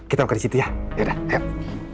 kita buka di situ ya yaudah ayo